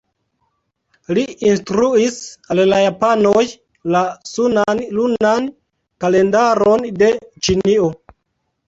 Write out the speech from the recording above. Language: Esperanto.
Li instruis al la japanoj la sunan-lunan kalendaron de Ĉinio.